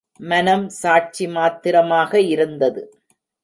மனம் சாட்சி மாத்திரமாக இருந்தது.